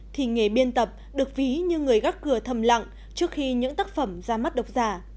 thì nghề biên tập được ví như người gắt cửa thầm lặng trước khi những tác phẩm ra mắt độc giả